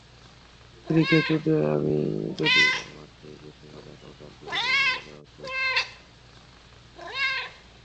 কেলিকে চুদে যদি আমার চেয়ে বেশি মজা পাও, তাহলে দুজনেরই মরে যাওয়া উচিৎ।